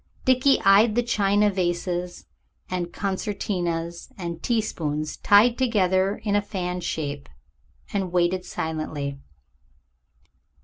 Dickie eyed the china vases and concertinas and teaspoons tied together in fan shape, and waited silently.